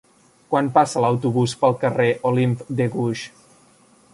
Quan passa l'autobús pel carrer Olympe de Gouges?